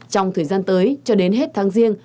trong thời gian tới cho đến hết tháng riêng